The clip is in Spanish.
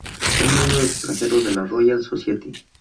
Fue miembro extranjero de la Royal Society.